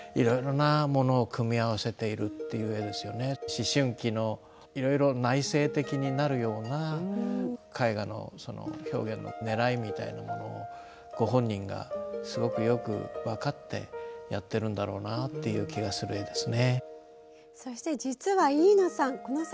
思春期のいろいろ内省的になるような絵画の表現のねらいみたいなものをご本人がすごくよく分かってやってるんだろうなっていう気がする絵ですね。